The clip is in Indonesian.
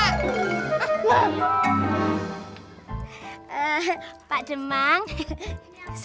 nah panjangnya satu